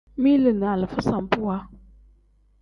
Mili ni alifa sambuwa.